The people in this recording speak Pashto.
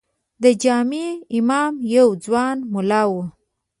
د جامع امام یو ځوان ملا و.